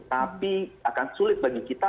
tapi akan sulit bagi kita